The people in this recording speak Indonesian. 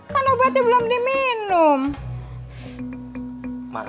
kan obatnya belum diminum